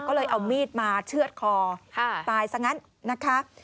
ก็เลยเอามีดมาเชื่อดคอตายซะงั้นนะคะ